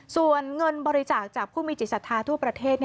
ส่วนเงินบริจาคจากผู้มีจิตศรัทธาทั่วประเทศ